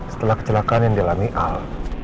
setelah kecelakaan yang dialami al